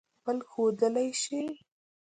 بل ښودلئ شی